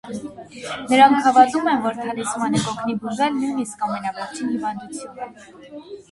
Նրանք հավատում են, որ թալիսմանը կօգնի բուժել նույնիսկ ամենավերջին հիվանդությունը։